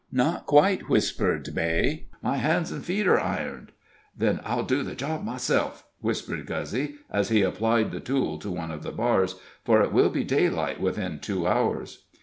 "Not quite," whispered Beigh. "My hands and feet are ironed." "Then I'll do the job myself," whispered Guzzy, as he applied the tool to one of the bars; "for it will be daylight within two hours."